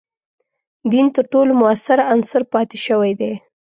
دین تر ټولو موثر عنصر پاتې شوی دی.